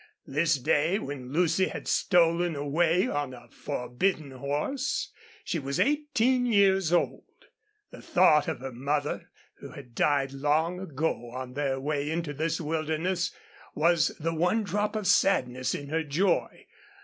This day, when Lucy had stolen away on a forbidden horse, she was eighteen years old. The thought of her mother, who had died long ago on their way into this wilderness, was the one drop of sadness in her joy.